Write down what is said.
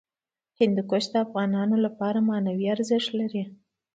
هندوکش د افغانانو لپاره په معنوي لحاظ ارزښت لري.